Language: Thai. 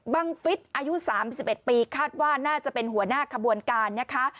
ฟิศอายุ๓๑ปีคาดว่าน่าจะเป็นหัวหน้าขบวนการนะคะ